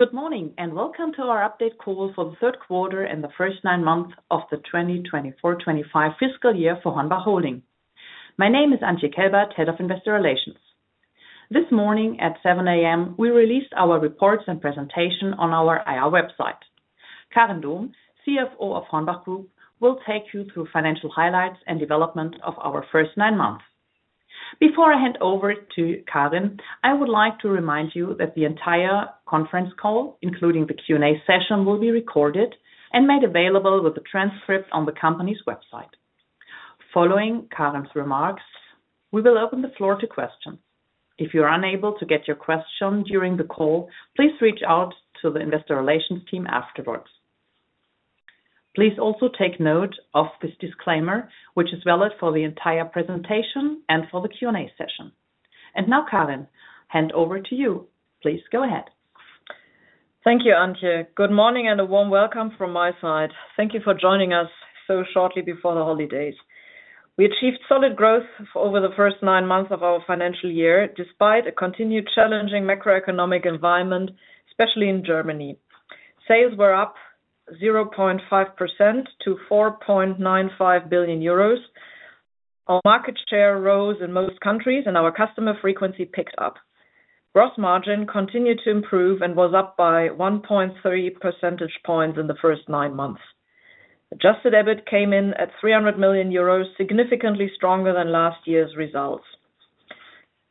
Good morning and welcome to our Update Call for the Q3 and the First Nine Months of the FY for Hornbach Holding. My name is Antje Kelbert, Head of Investor Relations. This morning at 7:00 A.M., we released our reports and presentation on our IR website. Karin Dohm, CFO of Hornbach Group, will take you through financial highlights and development of our first nine months. Before I hand over to Karin, I would like to remind you that the entire conference call, including the Q&A session, will be recorded and made available with a transcript on the company's website. Following Karin's remarks, we will open the floor to questions. If you are unable to get your question during the call, please reach out to the Investor Relations team afterwards. Please also take note of this disclaimer, which is valid for the entire presentation and for the Q&A session, and now, Karin, hand over to you. Please go ahead. Thank you, Antje. Good morning and a warm welcome from my side. Thank you for joining us so shortly before the holidays. We achieved solid growth over the first nine months of our financial year despite a continued challenging macroeconomic environment, especially in Germany. Sales were up 0.5% to 4.95 billion euros. Our market share rose in most countries, and our customer frequency picked up. Gross margin continued to improve and was up by 1.3 percentage points in the first nine months. Adjusted EBIT came in at 300 million euros, significantly stronger than last year's results.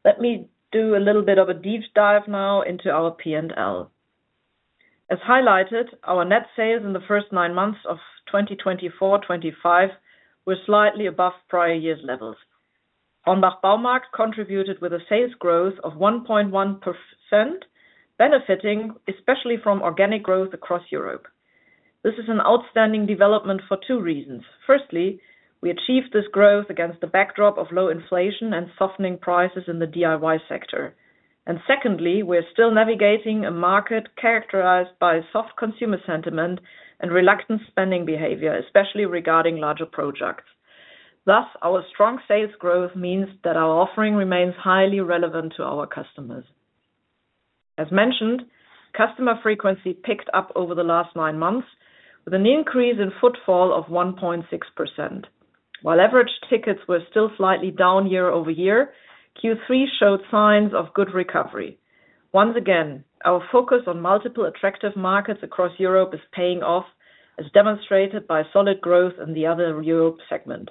Let me do a little bit of a deep dive now into our P&L. As highlighted, our net sales in the first nine months of 2024-25 were slightly above prior year's levels. HORNBACH Baumarkt contributed with a sales growth of 1.1%, benefiting especially from organic growth across Europe. This is an outstanding development for two reasons. Firstly, we achieved this growth against the backdrop of low inflation and softening prices in the DIY sector, and secondly, we are still navigating a market characterized by soft consumer sentiment and reluctant spending behavior, especially regarding larger projects. Thus, our strong sales growth means that our offering remains highly relevant to our customers. As mentioned, customer frequency picked up over the last nine months with an increase in footfall of 1.6%. While average tickets were still slightly down year over year, Q3 showed signs of good recovery. Once again, our focus on multiple attractive markets across Europe is paying off, as demonstrated by solid growth in the other Europe segment.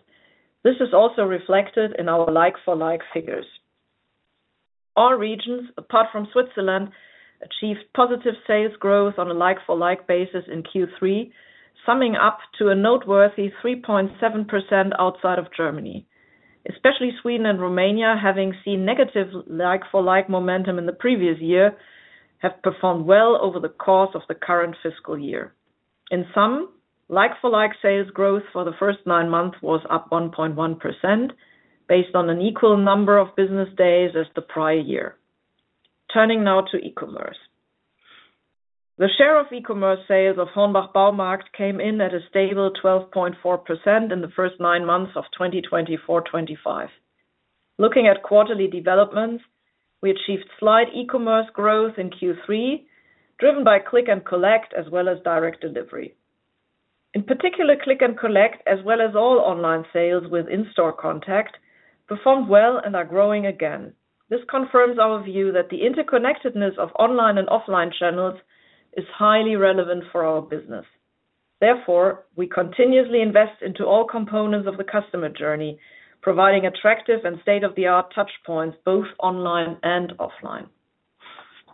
This is also reflected in our like-for-like figures. All regions, apart from Switzerland, achieved positive sales growth on a like-for-like basis in Q3, summing up to a noteworthy 3.7% outside of Germany. Especially Sweden and Romania, having seen negative like-for-like momentum in the previous year, have performed well over the course of the FY. in sum, like-for-like sales growth for the first nine months was up 1.1% based on an equal number of business days as the prior year. Turning now to e-commerce. The share of e-commerce sales of Hornbach Baumarkt came in at a stable 12.4% in the first nine months of 2024-25. Looking at quarterly developments, we achieved slight e-commerce growth in Q3, driven by click and collect as well as direct delivery. In particular, click and collect, as well as all online sales with in-store contact, performed well and are growing again. This confirms our view that the interconnectedness of online and offline channels is highly relevant for our business. Therefore, we continuously invest into all components of the customer journey, providing attractive and state-of-the-art touchpoints both online and offline.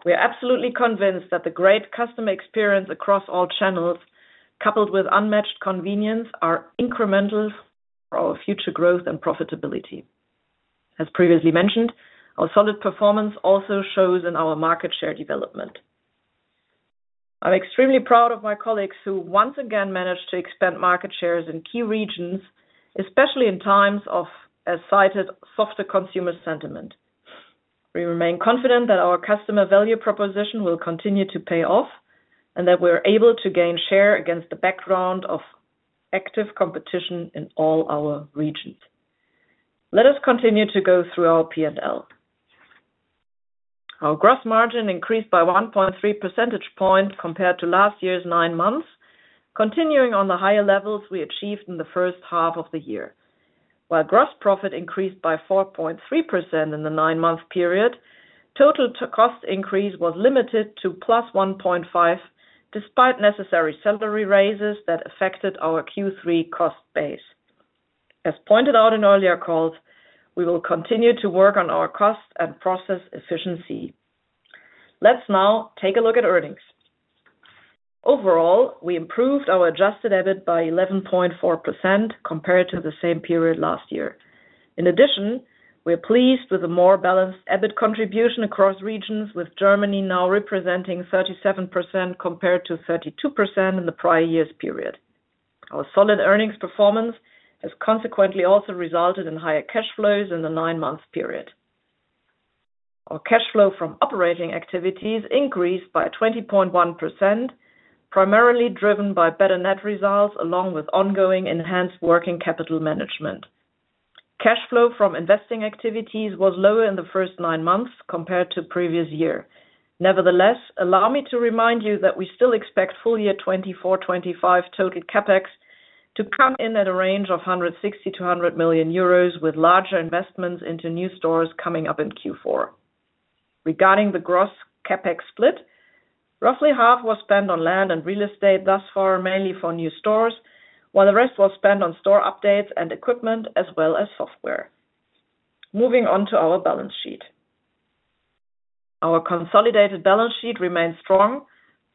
We are absolutely convinced that the great customer experience across all channels, coupled with unmatched convenience, are incrementals for our future growth and profitability. As previously mentioned, our solid performance also shows in our market share development. I'm extremely proud of my colleagues who once again managed to expand market shares in key regions, especially in times of, as cited, softer consumer sentiment. We remain confident that our customer value proposition will continue to pay off and that we are able to gain share against the background of active competition in all our regions. Let us continue to go through our P&L. Our gross margin increased by 1.3 percentage points compared to last year's nine months, continuing on the higher levels we achieved in the first half of the year. While gross profit increased by 4.3% in the nine-month period, total cost increase was limited to plus 1.5% despite necessary salary raises that affected our Q3 cost base. As pointed out in earlier calls, we will continue to work on our cost and process efficiency. Let's now take a look at earnings. Overall, we improved our adjusted EBIT by 11.4% compared to the same period last year. In addition, we are pleased with a more balanced EBIT contribution across regions, with Germany now representing 37% compared to 32% in the prior year's period. Our solid earnings performance has consequently also resulted in higher cash flows in the nine-month period. Our cash flow from operating activities increased by 20.1%, primarily driven by better net results along with ongoing enhanced working capital management. Cash flow from investing activities was lower in the first nine months compared to previous year. Nevertheless, allow me to remind you that we still expect full year 24-25 total CapEx to come in at a range of 160 million euros to 100 million euros, with larger investments into new stores coming up in Q4. Regarding the gross CapEx split, roughly half was spent on land and real estate, thus far mainly for new stores, while the rest was spent on store updates and equipment as well as software. Moving on to our balance sheet. Our consolidated balance sheet remains strong,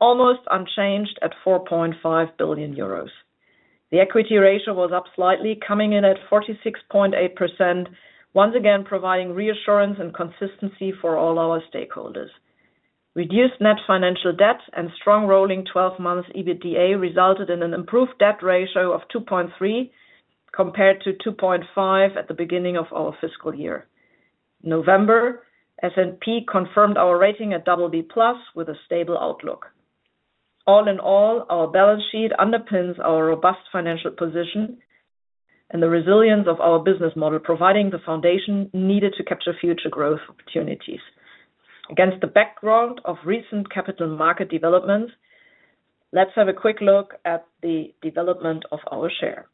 almost unchanged at 4.5 billion euros. The equity ratio was up slightly, coming in at 46.8%, once again providing reassurance and consistency for all our stakeholders. Reduced net financial debt and strong rolling 12-month EBITDA resulted in an improved debt ratio of 2.3 compared to 2.5 at the beginning of FY. in November, S&P confirmed our rating at BB+ with a stable outlook. All in all, our balance sheet underpins our robust financial position and the resilience of our business model, providing the foundation needed to capture future growth opportunities. Against the background of recent capital market developments, let's have a quick look at the development of our share.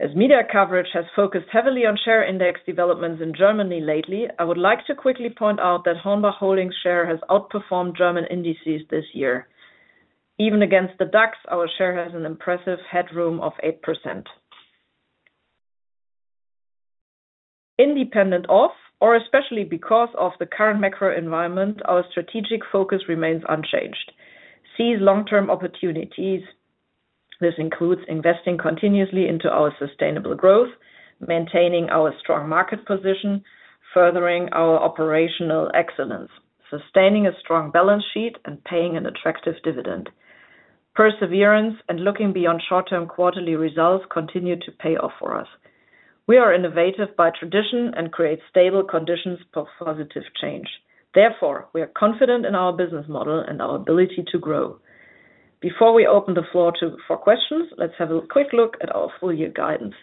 As media coverage has focused heavily on share index developments in Germany lately, I would like to quickly point out that Hornbach Holding's share has outperformed German indices this year. Even against the DAX, our share has an impressive headroom of 8%. Independent of, or especially because of the current macro environment, our strategic focus remains unchanged. Seize long-term opportunities. This includes investing continuously into our sustainable growth, maintaining our strong market position, furthering our operational excellence, sustaining a strong balance sheet, and paying an attractive dividend. Perseverance and looking beyond short-term quarterly results continue to pay off for us. We are innovative by tradition and create stable conditions for positive change. Therefore, we are confident in our business model and our ability to grow. Before we open the floor for questions, let's have a quick look at our full year guidance.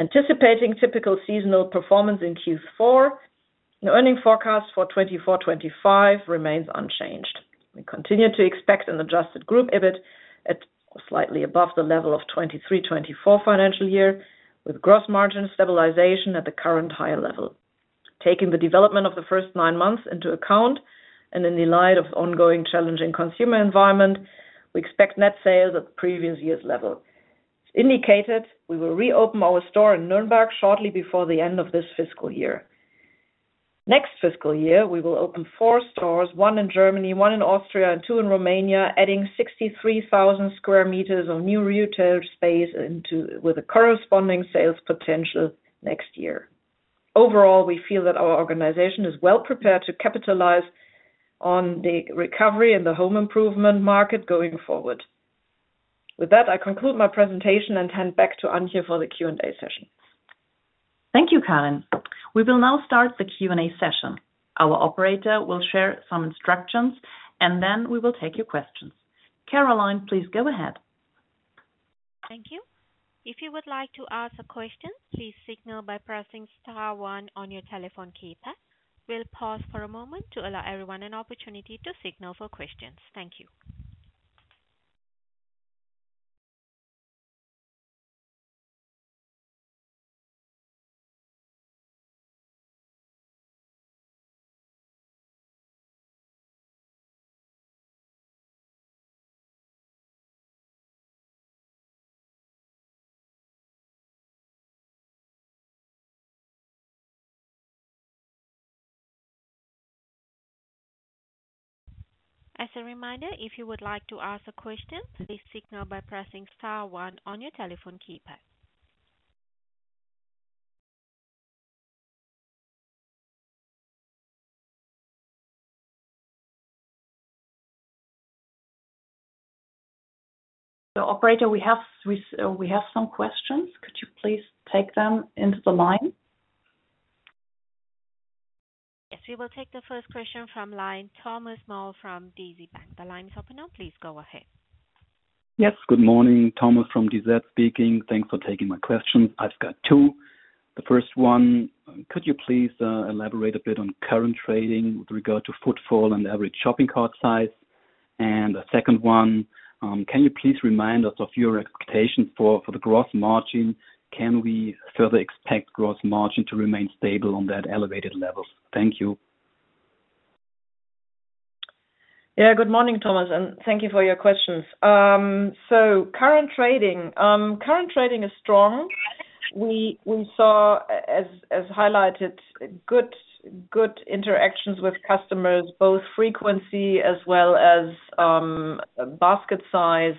Anticipating typical seasonal performance in Q4, the earnings forecast for 2024-25 remains unchanged. We continue to expect an adjusted Group EBIT at slightly above the level of FY, with gross margin stabilization at the current higher level. Taking the development of the first nine months into account and in the light of the ongoing challenging consumer environment, we expect net sales at the previous year's level. As indicated, we will reopen our store in Nürnberg shortly before the end of FY, we will open four stores, one in Germany, one in Austria, and two in Romania, adding 63,000 sq m of new retail space with a corresponding sales potential next year. Overall, we feel that our organization is well prepared to capitalize on the recovery in the home improvement market going forward. With that, I conclude my presentation and hand back to Antje for the Q&A session. Thank you, Karin. We will now start the Q&A session. Our operator will share some instructions, and then we will take your questions. Caroline, please go ahead. Thank you. If you would like to ask a question, please signal by pressing star one on your telephone keypad. We'll pause for a moment to allow everyone an opportunity to signal for questions. Thank you. As a reminder, if you would like to ask a question, please signal by pressing star one on your telephone keypad. So, operator, we have some questions. Could you please take them into the line? Yes, we will take the first question from the line of Thomas Maul from DZ Bank. The line is open now. Please go ahead. Yes, good morning. Thomas from DZ speaking. Thanks for taking my questions. I've got two. The first one, could you please elaborate a bit on current trading with regard to footfall and average shopping cart size? And the second one, can you please remind us of your expectations for the gross margin? Can we further expect gross margin to remain stable on that elevated level? Thank you. Yeah, good morning, Thomas, and thank you for your questions. So, current trading. Current trading is strong. We saw, as highlighted, good interactions with customers, both frequency as well as basket size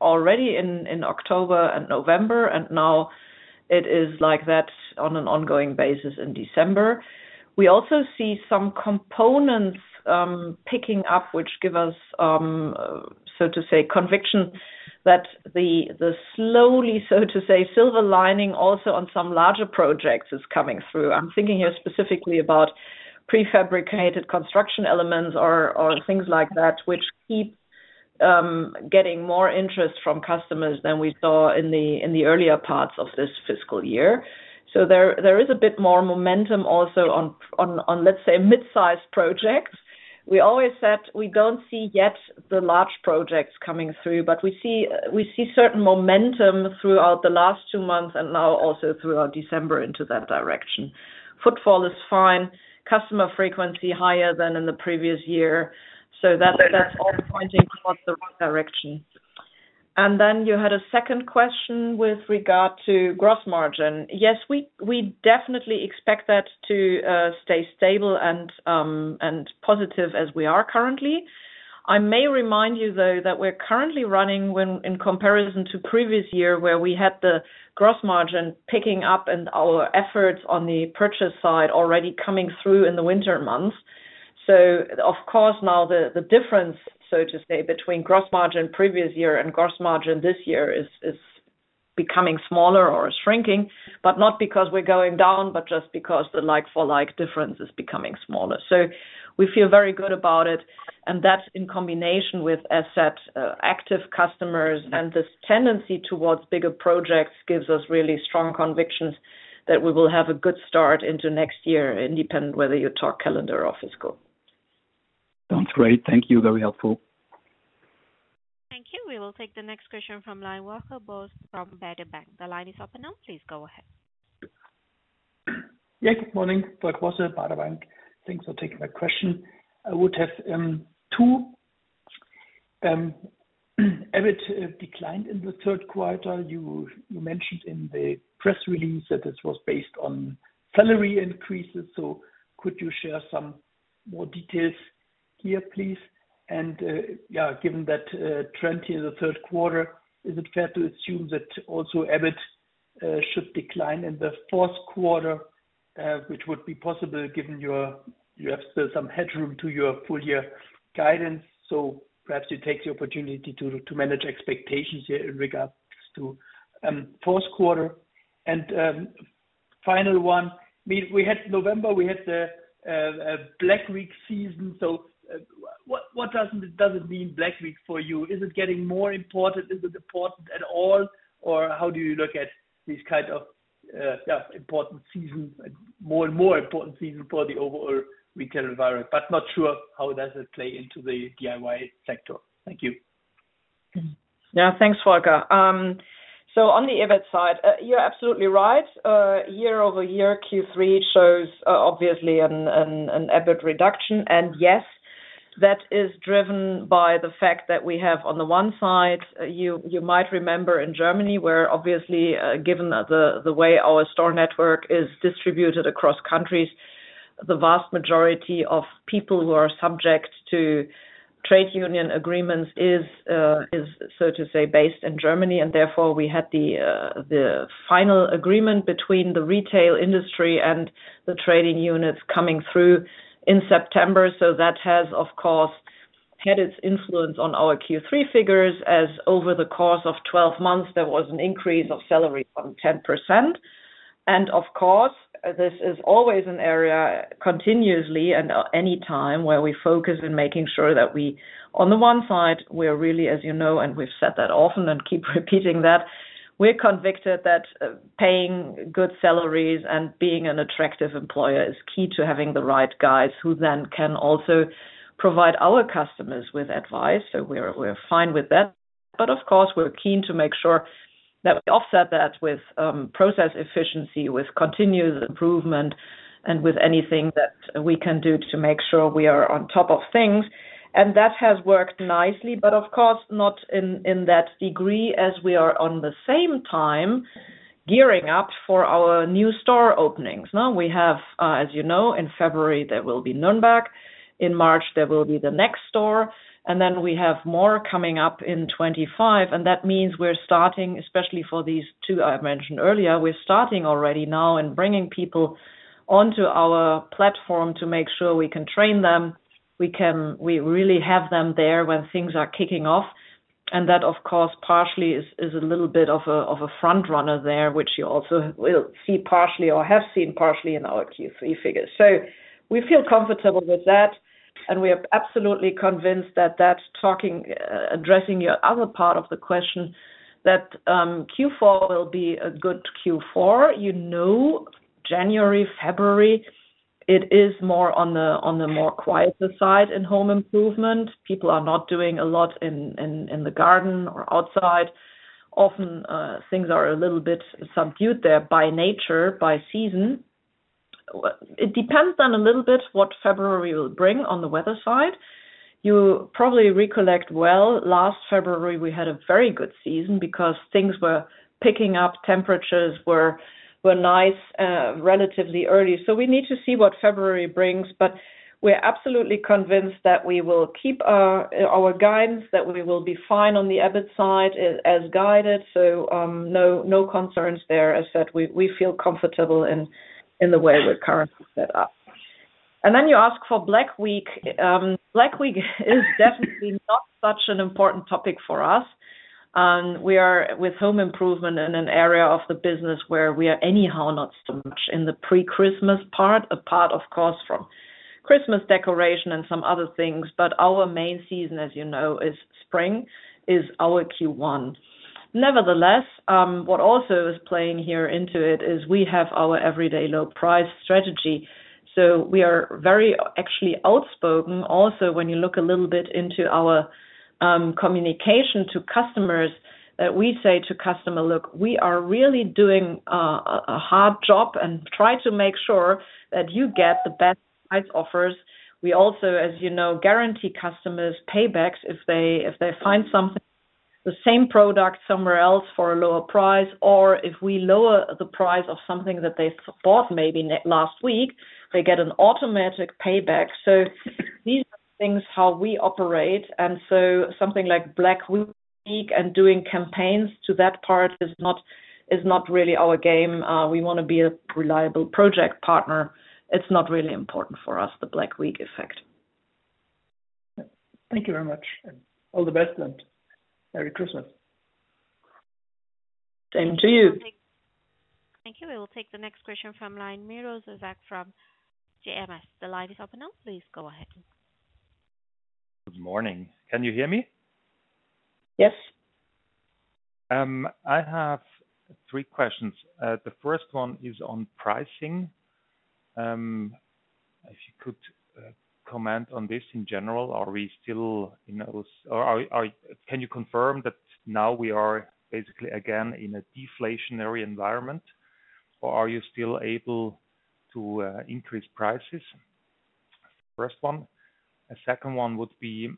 already in October and November, and now it is like that on an ongoing basis in December. We also see some components picking up, which give us, so to say, conviction that the slowly, so to say, silver lining also on some larger projects is coming through. I'm thinking here specifically about prefabricated construction elements or things like that, which keep getting more interest from customers than we saw in the earlier parts of FY. so, there is a bit more momentum also on, let's say, mid-sized projects. We always said we don't see yet the large projects coming through, but we see certain momentum throughout the last two months and now also throughout December into that direction. Footfall is fine. Customer frequency higher than in the previous year. So, that's all pointing towards the right direction. And then you had a second question with regard to gross margin. Yes, we definitely expect that to stay stable and positive as we are currently. I may remind you, though, that we're currently running in comparison to previous year where we had the gross margin picking up and our efforts on the purchase side already coming through in the winter months. So, of course, now the difference, so to say, between gross margin previous year and gross margin this year is becoming smaller or shrinking, but not because we're going down, but just because the like-for-like difference is becoming smaller. So, we feel very good about it. And that's in combination with asset active customers and this tendency towards bigger projects gives us really strong convictions that we will have a good start into next year, independent of whether you talk calendar or fiscal. Sounds great. Thank you. Very helpful. Thank you. We will take the next question from Volker Bosse from Baader Bank. The line is open now. Please go ahead. Yeah, good morning. Volker Bosse, Baader Bank. Thanks for taking my question. I would have two. EBIT declined in the Q3. You mentioned in the press release that this was based on salary increases. So, could you share some more details here, please? And yeah, given that trend here in the Q3, is it fair to assume that also EBIT should decline in the Q4, which would be possible given you have still some headroom to your full year guidance? So, perhaps you take the opportunity to manage expectations here in regards to Q4. And final one. We had November, we had the Black Week season. So, what does it mean, Black Week, for you? Is it getting more important? Is it important at all? Or, how do you look at these kinds of, yeah, important seasons, more and more important seasons for the overall retail environment? But not sure how does it play into the DIY sector. Thank you. Yeah, thanks, Volker. So, on the EBIT side, you're absolutely right. Year over year, Q3 shows obviously an EBIT reduction, and yes, that is driven by the fact that we have on the one side. You might remember in Germany, where obviously, given the way our store network is distributed across countries, the vast majority of people who are subject to trade union agreements is, so to say, based in Germany. Therefore, we had the final agreement between the retail industry and the trade unions coming through in September. So, that has, of course, had its influence on our Q3 figures as over the course of 12 months, there was an increase of salary from 10%. Of course, this is always an area continuously at any time where we focus on making sure that we, on the one side, we're really, as you know, and we've said that often and keep repeating that, we're convinced that paying good salaries and being an attractive employer is key to having the right guys who then can also provide our customers with advice. So, we're fine with that, but of course, we're keen to make sure that we offset that with process efficiency, with continuous improvement, and with anything that we can do to make sure we are on top of things, and that has worked nicely, but of course, not in that degree as we are at the same time gearing up for our new store openings. Now, we have, as you know, in February, there will be Nürnberg. In March, there will be the next store. And then we have more coming up in 2025. And that means we're starting, especially for these two I mentioned earlier, we're starting already now and bringing people onto our platform to make sure we can train them. We really have them there when things are kicking off. And that, of course, partially is a little bit of a front runner there, which you also will see partially or have seen partially in our Q3 figures. So, we feel comfortable with that. And we are absolutely convinced that that's talking, addressing your other part of the question, that Q4 will be a good Q4. You know, January, February, it is more on the more quieter side in home improvement. People are not doing a lot in the garden or outside. Often, things are a little bit subdued there by nature, by season. It depends on a little bit what February will bring on the weather side. You probably recollect well, last February, we had a very good season because things were picking up. Temperatures were nice relatively early. So, we need to see what February brings. But we're absolutely convinced that we will keep our guidance, that we will be fine on the EBIT side as guided. So, no concerns there. As said, we feel comfortable in the way we're currently set up. And then you ask for Black Week. Black Week is definitely not such an important topic for us. We are with home improvement in an area of the business where we are anyhow not so much in the pre-Christmas part, apart, of course, from Christmas decoration and some other things. But our main season, as you know, is spring, is our Q1. Nevertheless, what also is playing here into it is we have our everyday low price strategy. So, we are very actually outspoken. Also, when you look a little bit into our communication to customers, we say to customers, "Look, we are really doing a hard job and try to make sure that you get the best price offers." We also, as you know, guarantee customers paybacks if they find something, the same product somewhere else for a lower price, or if we lower the price of something that they bought maybe last week, they get an automatic payback. So, these are things how we operate. And so, something like Black Week and doing campaigns to that part is not really our game. We want to be a reliable project partner. It's not really important for us, the Black Week effect. Thank you very much. All the best and Merry Christmas. Same to you. Thank you. We will take the next question from Zach from JMS. The line is open now. Please go ahead. Good morning. Can you hear me? Yes. I have three questions. The first one is on pricing. If you could comment on this in general, are we still in those? Can you confirm that now we are basically again in a deflationary environment? Or are you still able to increase prices? The first one. A second one would be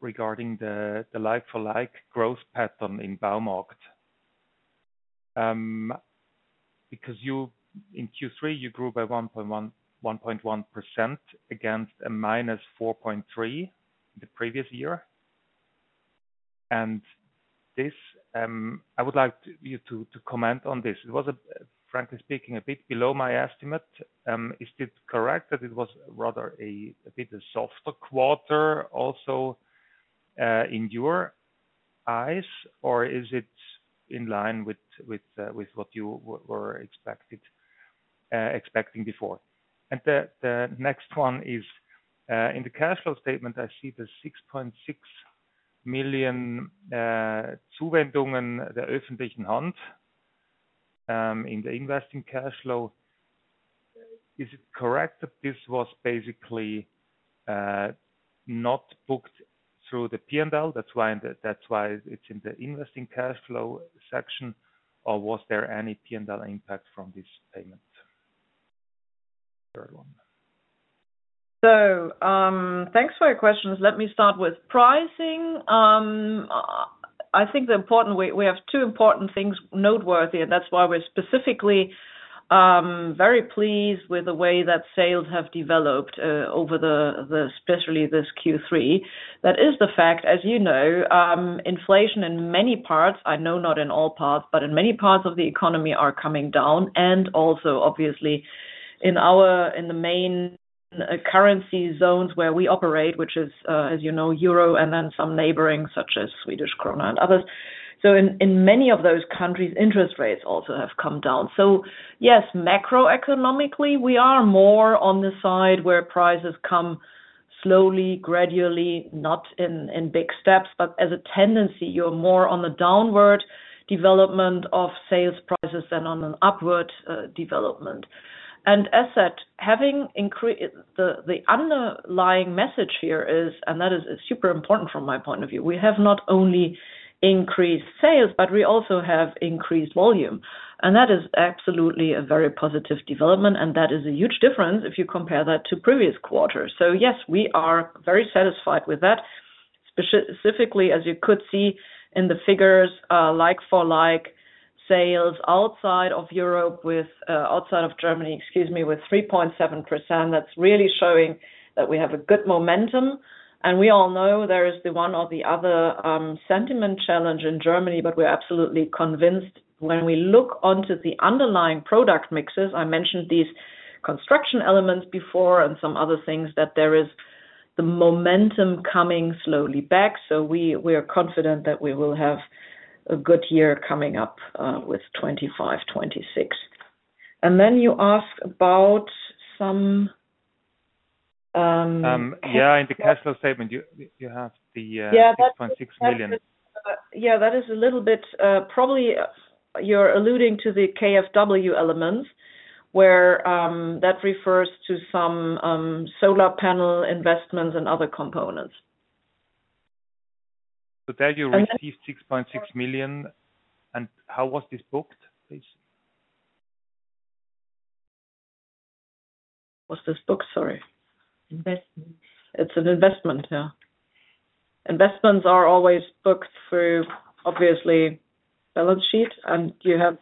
regarding the like-for-like growth pattern in the DIY market. Because in Q3, you grew by 1.1% against a -4.3% the previous year. And this, I would like you to comment on this. It was, frankly speaking, a bit below my estimate. Is it correct that it was rather a bit of a softer quarter also in your eyes? Or is it in line with what you were expecting before? And the next one is, in the cash flow statement, I see the 6.6 million Zuwendungen der öffentlichen Hand in the investing cash flow. Is it correct that this was basically not booked through the P&L? That's why it's in the investing cash flow section. Or was there any P&L impact from this payment? So, thanks for your questions. Let me start with pricing. I think the important we have two important things noteworthy. And that's why we're specifically very pleased with the way that sales have developed over the, especially this Q3. That is the fact, as you know, inflation in many parts, I know not in all parts, but in many parts of the economy are coming down. And also, obviously, in the main currency zones where we operate, which is, as you know, euro and then some neighboring such as Swedish krona and others. So, in many of those countries, interest rates also have come down. So, yes, macroeconomically, we are more on the side where prices come slowly, gradually, not in big steps, but as a tendency, you're more on the downward development of sales prices than on an upward development. And as said, having the underlying message here is, and that is super important from my point of view, we have not only increased sales, but we also have increased volume. And that is absolutely a very positive development. And that is a huge difference if you compare that to previous quarters. So, yes, we are very satisfied with that. Specifically, as you could see in the figures, like-for-like sales outside of Europe, outside of Germany, excuse me, with 3.7%. That's really showing that we have a good momentum. And we all know there is the one or the other sentiment challenge in Germany, but we're absolutely convinced when we look onto the underlying product mixes, I mentioned these construction elements before and some other things, that there is the momentum coming slowly back. So, we are confident that we will have a good year coming up with 2025, 2026. And then you ask about some. Yeah, in the cash flow statement, you have the 6.6 million. Yeah, that is a little bit probably you're alluding to the KfW elements where that refers to some solar panel investments and other components. So, there you receive 6.6 million. And how was this booked, please? Was this booked, sorry? It's an investment, yeah. Investments are always booked through, obviously, balance sheet. And you have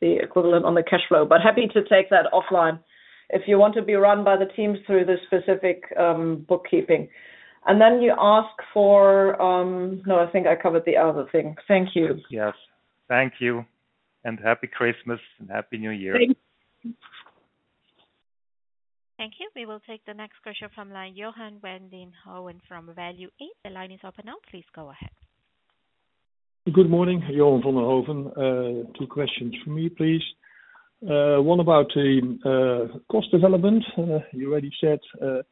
the equivalent on the cash flow. But happy to take that offline if you want to be run by the team through this specific bookkeeping. And then you ask for, no, I think I covered the other thing. Thank you. Yes. Thank you. And Happy Christmas and happy New Year. Thank you. We will take the next question from the line of Johann Wendel from AlphaValue. The line is open now. Please go ahead. Good morning. Johann from AlphaValue. Two questions for me, please. One about the cost development. You already said that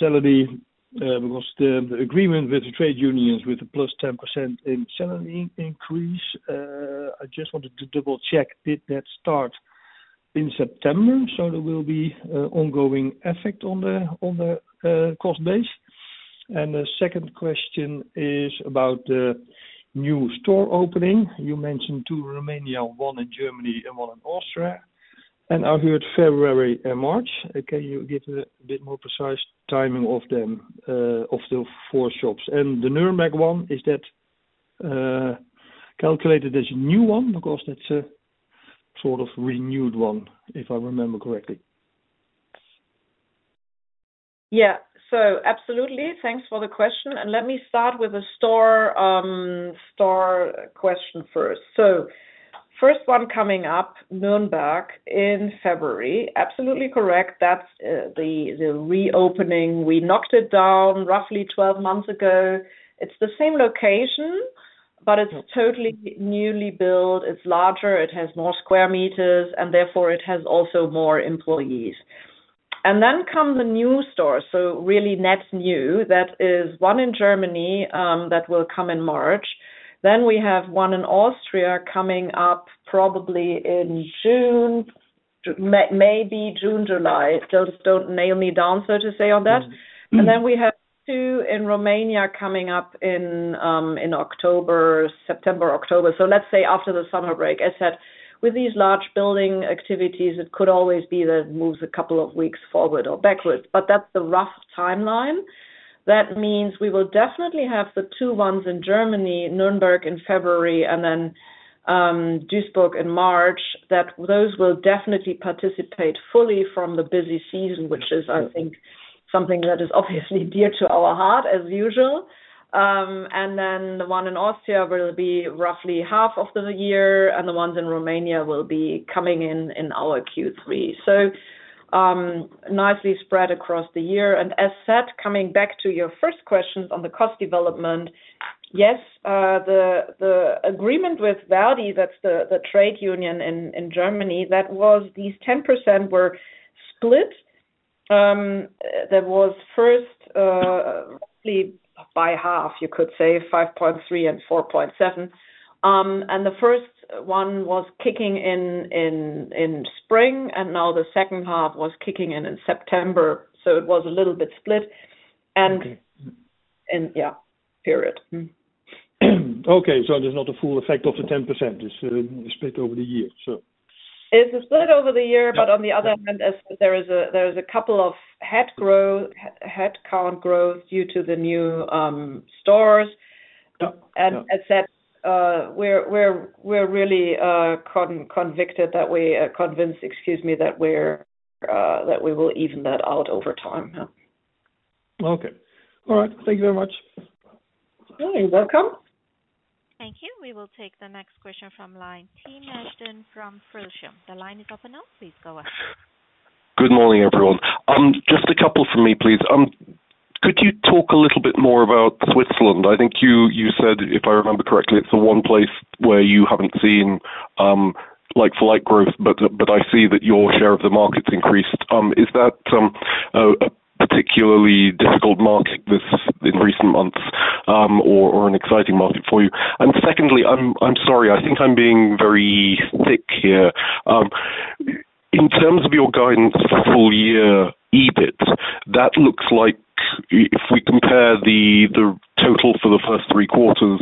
salary was the agreement with the trade unions with a plus 10% in salary increase. I just wanted to double-check, did that start in September? So, there will be ongoing effect on the cost base. And the second question is about the new store opening. You mentioned two in Romania, one in Germany, and one in Austria. And I heard February and March. Can you give a bit more precise timing of them of the four shops? And the Nürnberg one, is that calculated as a new one? Because that's a sort of renewed one, if I remember correctly. Yeah. So, absolutely. Thanks for the question. And let me start with the store question first. So, first one coming up, Nürnberg in February. Absolutely correct. That's the reopening. We knocked it down roughly 12 months ago. It's the same location, but it's totally newly built. It's larger. It has more square meters. And therefore, it has also more employees. And then come the new stores. So, really net new. That is one in Germany that will come in March. Then we have one in Austria coming up probably in June, maybe June, July. Just don't nail me down, so to say, on that. And then we have two in Romania coming up in October, September, October. So, let's say after the summer break. As said, with these large building activities, it could always be that it moves a couple of weeks forward or backwards. But that's the rough timeline. That means we will definitely have the two ones in Germany, Nürnberg in February, and then Duisburg in March. Those will definitely participate fully from the busy season, which is, I think, something that is obviously dear to our heart, as usual, and then the one in Austria will be roughly half of the year, and the ones in Romania will be coming in our Q3, so nicely spread across the year, and as said, coming back to your first questions on the cost development, yes, the agreement with ver.di, that's the trade union in Germany, that was these 10% were split. That was first roughly by half, you could say, 5.3% and 4.7%. And the first one was kicking in in spring. And now the second half was kicking in in September. So, it was a little bit split, and yeah, period. Okay. So, there's not a full effect of the 10%. It's split over the year, so. It's split over the year, but on the other hand, there is a couple of headcount growth due to the new stores, and as said, we're really convicted that we convince, excuse me, that we will even that out over time. Okay. All right. Thank you very much. You're welcome. Thank you. We will take the next question from line T. Nashden from Frillshem. The line is open now. Please go ahead. Good morning, everyone. Just a couple for me, please. Could you talk a little bit more about Switzerland? I think you said, if I remember correctly, it's the one place where you haven't seen like-for-like growth, but I see that your share of the market's increased. Is that a particularly difficult market in recent months or an exciting market for you? And secondly, I'm sorry, I think I'm being very thick here. In terms of your guidance for full-year EBIT, that looks like if we compare the total for the first three quarters,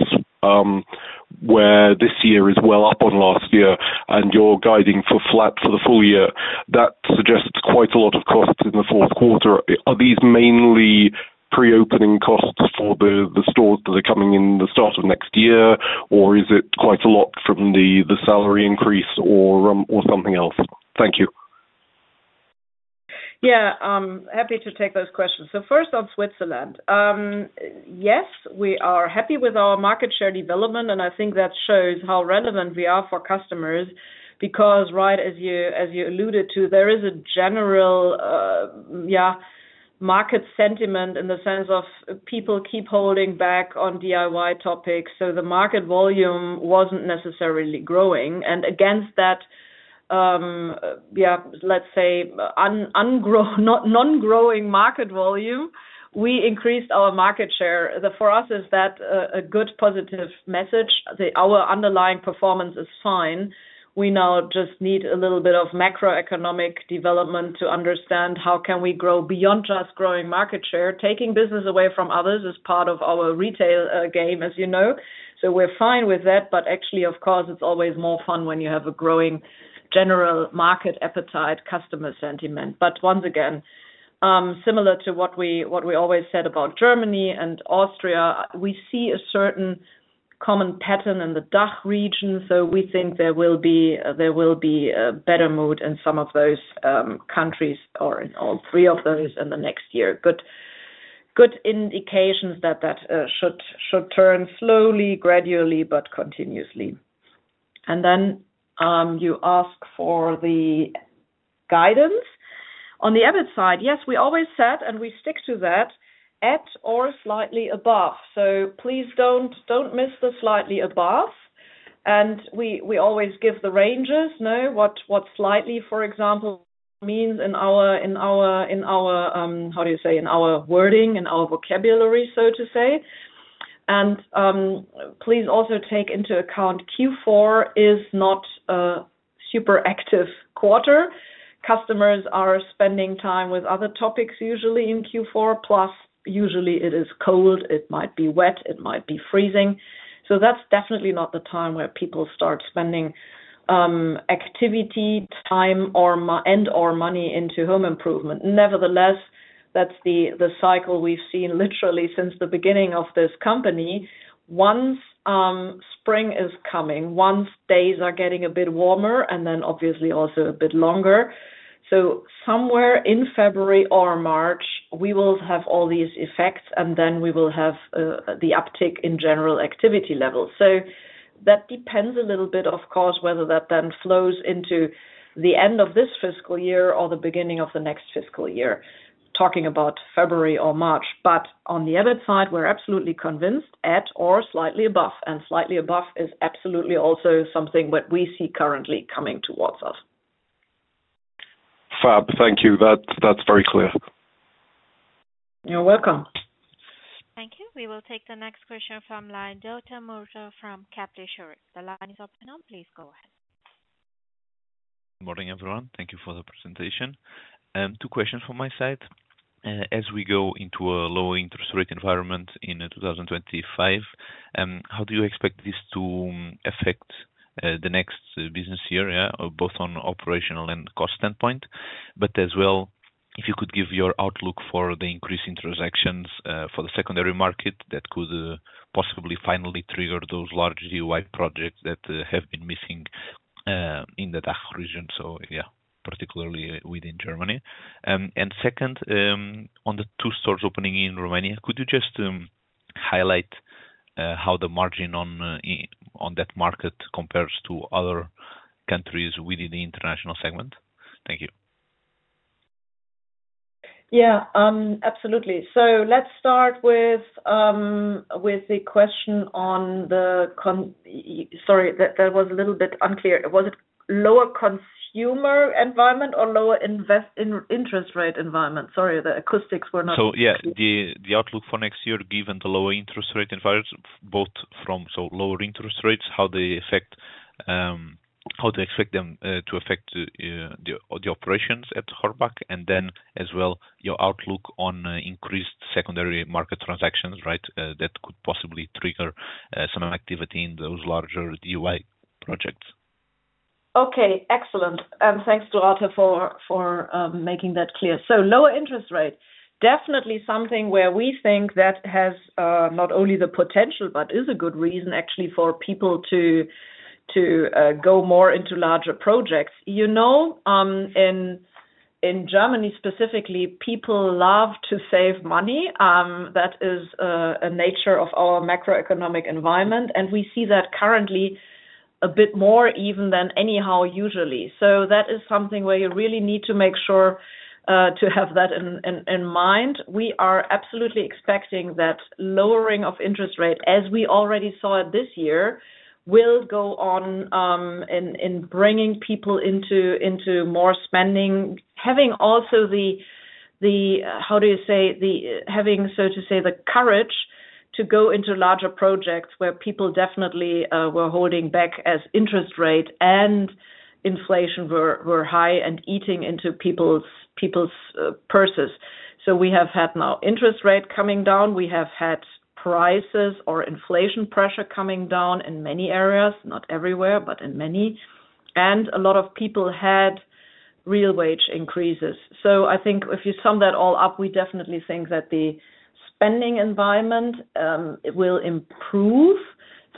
where this year is well up on last year, and you're guiding for flat for the full year, that suggests quite a lot of costs in the Q4. Are these mainly pre-opening costs for the stores that are coming in the start of next year? Or is it quite a lot from the salary increase or something else? Thank you. Yeah. Happy to take those questions, so first on Switzerland. Yes, we are happy with our market share development, and I think that shows how relevant we are for customers. Because right as you alluded to, there is a general market sentiment in the sense of people keep holding back on DIY topics, so the market volume wasn't necessarily growing. And against that, let's say non-growing market volume, we increased our market share. For us, is that a good positive message? Our underlying performance is fine. We now just need a little bit of macroeconomic development to understand how can we grow beyond just growing market share. Taking business away from others is part of our retail game, as you know, so we're fine with that, but actually, of course, it's always more fun when you have a growing general market appetite, customer sentiment. But once again, similar to what we always said about Germany and Austria, we see a certain common pattern in the DACH region. So, we think there will be a better mood in some of those countries or in all three of those in the next year. Good indications that that should turn slowly, gradually, but continuously. And then you ask for the guidance. On the other side, yes, we always said, and we stick to that, at or slightly above. So, please don't miss the slightly above. And we always give the ranges, what slightly, for example, means in our, how do you say, in our wording, in our vocabulary, so to say. And please also take into account Q4 is not a super active quarter. Customers are spending time with other topics usually in Q4. Plus, usually it is cold. It might be wet. It might be freezing. So, that's definitely not the time where people start spending activity, time, and/or money into home improvement. Nevertheless, that's the cycle we've seen literally since the beginning of this company. Once spring is coming, once days are getting a bit warmer, and then obviously also a bit longer. So, somewhere in February or March, we will have all these effects. And then we will have the uptick in general activity levels. So, that depends a little bit, of course, whether that then flows into the end of FY or the beginning of the FY, talking about February or March. But on the other side, we're absolutely convinced at or slightly above. And slightly above is absolutely also something that we see currently coming towards us. Thank you. That's very clear. You're welcome. Thank you. We will take the next question from line Delta Motor from Kepler Cheuvreux. The line is open now. Please go ahead. Good morning, everyone. Thank you for the presentation. Two questions from my side. As we go into a low-interest rate environment in 2025, how do you expect this to affect the next business year, both on operational and cost standpoint? But as well, if you could give your outlook for the increase in transactions for the secondary market that could possibly finally trigger those large DIY projects that have been missing in the DACH region, so yeah, particularly within Germany. And second, on the two stores opening in Romania, could you just highlight how the margin on that market compares to other countries within the international segment? Thank you. Yeah, absolutely. So, let's start with the question. Sorry, that was a little bit unclear. Was it lower consumer environment or lower interest rate environment? Sorry, the acoustics were not. So, yeah, the outlook for next year, given the lower interest rate environment, both from lower interest rates, how they affect how to expect them to affect the operations at Hornbach. And then as well, your outlook on increased secondary market transactions, right, that could possibly trigger some activity in those larger DIY projects? Okay. Excellent. Thanks, Joanna, for making that clear. Lower interest rate, definitely something where we think that has not only the potential, but is a good reason actually for people to go more into larger projects. You know, in Germany specifically, people love to save money. That is a nature of our macroeconomic environment. And we see that currently a bit more even than anyhow usually. That is something where you really need to make sure to have that in mind. We are absolutely expecting that lowering of interest rate, as we already saw it this year, will go on in bringing people into more spending, having also the, how do you say, having, so to say, the courage to go into larger projects where people definitely were holding back as interest rate and inflation were high and eating into people's purses. So, we have had now interest rate coming down. We have had prices or inflation pressure coming down in many areas, not everywhere, but in many. And a lot of people had real wage increases. So, I think if you sum that all up, we definitely think that the spending environment will improve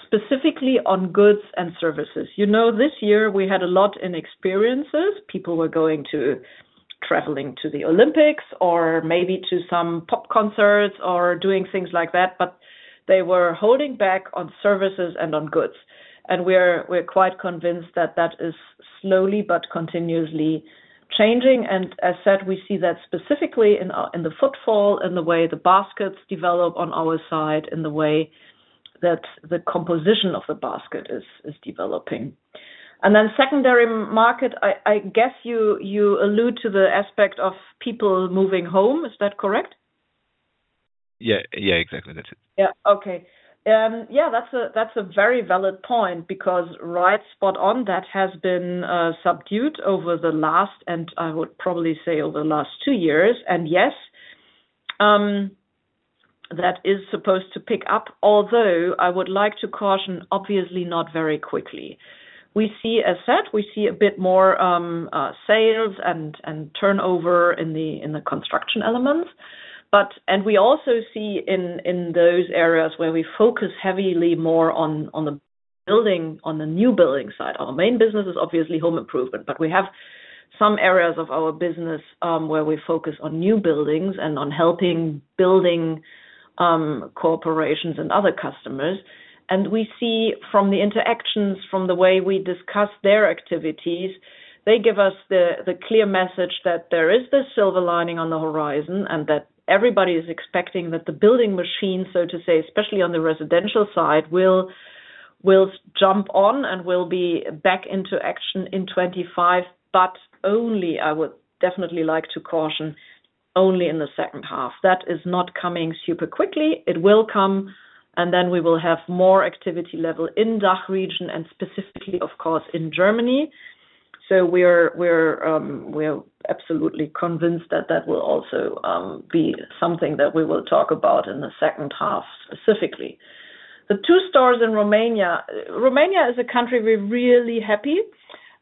specifically on goods and services. You know, this year, we had a lot in experiences. People were going to traveling to the Olympics or maybe to some pop concerts or doing things like that. But they were holding back on services and on goods. And we're quite convinced that that is slowly but continuously changing. And as said, we see that specifically in the footfall, in the way the baskets develop on our side, in the way that the composition of the basket is developing. And then secondary market, I guess you allude to the aspect of people moving home. Is that correct? Yeah. Yeah, exactly. That's it. Yeah. Okay. Yeah, that's a very valid point because right, spot on, that has been subdued over the last, and I would probably say over the last two years. And yes, that is supposed to pick up, although I would like to caution, obviously not very quickly. We see, as said, we see a bit more sales and turnover in the construction elements. And we also see in those areas where we focus heavily more on the building, on the new building side. Our main business is obviously home improvement. But we have some areas of our business where we focus on new buildings and on helping building corporations and other customers. We see from the interactions, from the way we discuss their activities, they give us the clear message that there is this silver lining on the horizon and that everybody is expecting that the building machine, so to say, especially on the residential side, will jump on and will be back into action in 2025, but only, I would definitely like to caution, only in the second half. That is not coming super quickly. It will come, and then we will have more activity level in DACH region and specifically, of course, in Germany, so we're absolutely convinced that that will also be something that we will talk about in the second half specifically. The two stores in Romania, Romania is a country we're really happy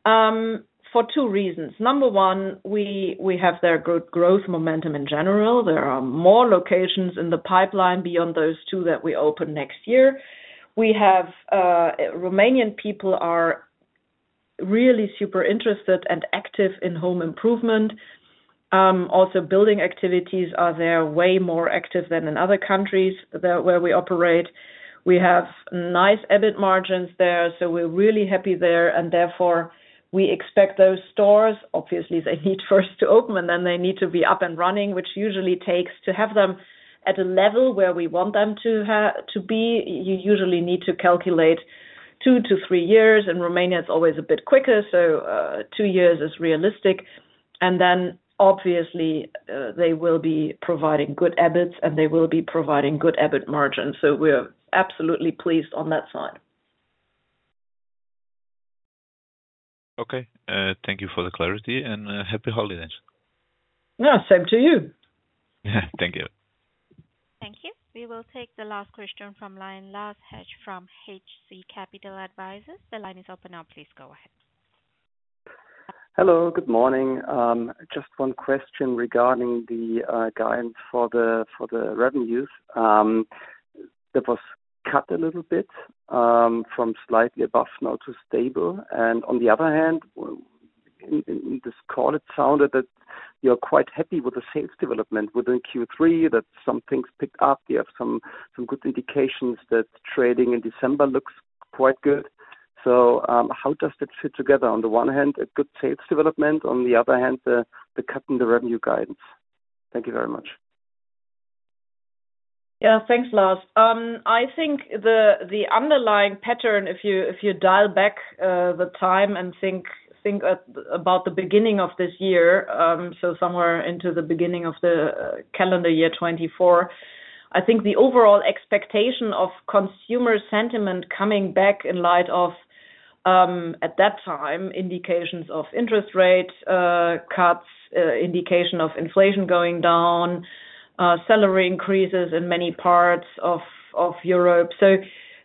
for two reasons. Number one, we have their growth momentum in general. There are more locations in the pipeline beyond those two that we open next year. We have Romanian people are really super interested and active in home improvement. Also, building activities are there way more active than in other countries where we operate. We have nice EBIT margins there. So, we're really happy there. And therefore, we expect those stores, obviously, they need first to open and then they need to be up and running, which usually takes to have them at a level where we want them to be. You usually need to calculate two to three years. In Romania, it's always a bit quicker. So, two years is realistic. And then obviously, they will be providing good EBITs and they will be providing good EBIT margins. So, we're absolutely pleased on that side. Okay. Thank you for the clarity and happy holidays. Yeah. Same to you. Thank you. Thank you. We will take the last question from line last Lars Heppner from Capital Advisor. The line is open now. Please go ahead. Hello. Good morning. Just one question regarding the guidance for the revenues. It was cut a little bit from slightly above now to stable, and on the other hand, in this call, it sounded that you're quite happy with the sales development within Q3, that some things picked up. You have some good indications that trading in December looks quite good. So, how does that fit together? On the one hand, a good sales development. On the other hand, the cut in the revenue guidance. Thank you very much. Yeah. Thanks, Lars. I think the underlying pattern, if you dial back the time and think about the beginning of this year, so somewhere into the beginning of the calendar year 2024, I think the overall expectation of consumer sentiment coming back in light of, at that time, indications of interest rate cuts, indication of inflation going down, salary increases in many parts of Europe.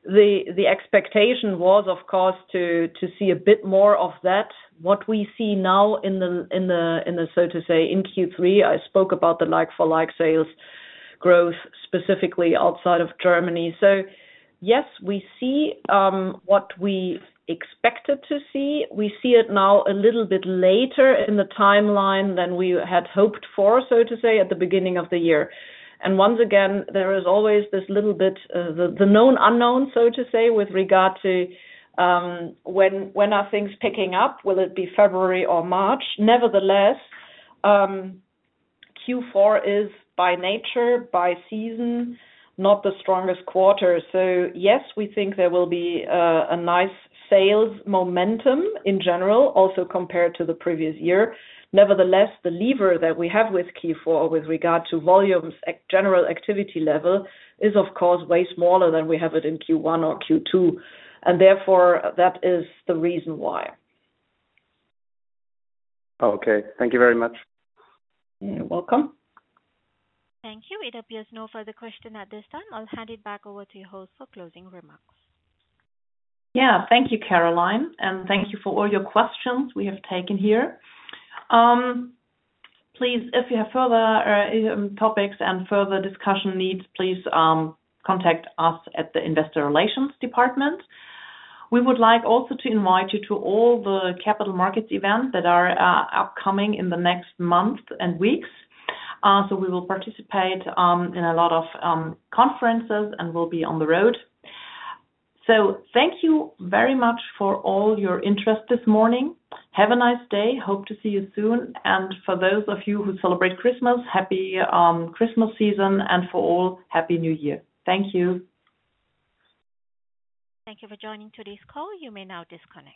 So, the expectation was, of course, to see a bit more of that. What we see now in the, so to say, in Q3, I spoke about the like-for-like sales growth specifically outside of Germany. So, yes, we see what we expected to see. We see it now a little bit later in the timeline than we had hoped for, so to say, at the beginning of the year. Once again, there is always this little bit of the known unknown, so to say, with regard to when are things picking up? Will it be February or March? Nevertheless, Q4 is by nature, by season, not the strongest quarter. So, yes, we think there will be a nice sales momentum in general, also compared to the previous year. Nevertheless, the lever that we have with Q4 with regard to volumes, general activity level, is of course way smaller than we have it in Q1 or Q2. Therefore, that is the reason why. Okay. Thank you very much. You're welcome. Thank you. It appears no further questions at this time. I'll hand it back over to your host for closing remarks. Yeah. Thank you, Caroline. And thank you for all your questions we have taken here. Please, if you have further topics and further discussion needs, please contact us at the Investor Relations Department. We would like also to invite you to all the capital markets events that are upcoming in the next months and weeks. So, we will participate in a lot of conferences and we'll be on the road. So, thank you very much for all your interest this morning. Have a nice day. Hope to see you soon. And for those of you who celebrate Christmas, Happy Christmas season. And for all, Happy New Year. Thank you. Thank you for joining today's call. You may now disconnect.